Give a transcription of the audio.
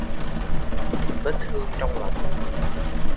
Vết thương trong lòng